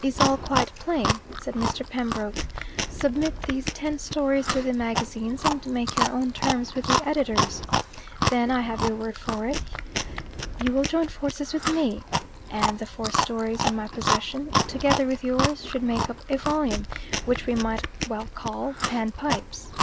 "Is all quite plain?" said Mr. Pembroke. "Submit these ten stories to the magazines, and make your own terms with the editors. Then I have your word for it you will join forces with me; and the four stories in my possession, together with yours, should make up a volume, which we might well call 'Pan Pipes.